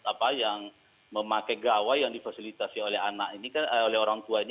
kan generasi yang memakai gawai yang difasilitasi oleh anak ini kan generasi yang memakai gawai yang difasilitasi oleh orang tua ini